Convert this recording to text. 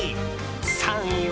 ３位は。